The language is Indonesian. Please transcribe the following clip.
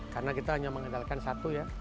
karena kita hanya mengendalikan satu ya